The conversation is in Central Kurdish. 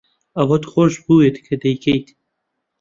ئەوەت خۆش بوێت کە دەیکەیت.